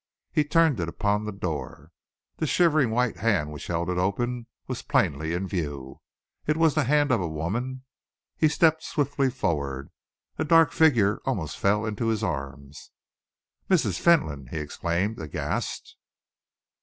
He turned it upon the door. The shivering white hand which held it open was plainly in view. It was the hand of a woman! He stepped swiftly forward. A dark figure almost fell into his arms. "Mrs. Fentolin!" he exclaimed, aghast.